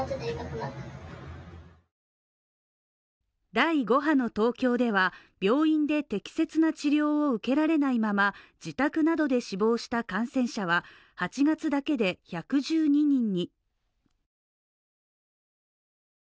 第５波の東京では病院で適切な治療を受けられないまま自宅などで死亡した感染者は８月だけで１１２人に。